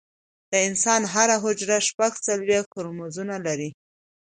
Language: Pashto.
د انسان هره حجره شپږ څلوېښت کروموزومونه لري